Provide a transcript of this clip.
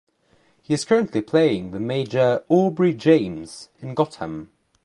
He is currently playing the mayor Aubrey James in "Gotham".